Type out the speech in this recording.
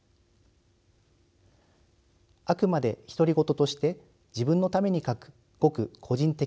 あくまで独り言として自分のために書くごく個人的